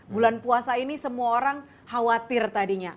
bulan puasa ini semua orang khawatir tadinya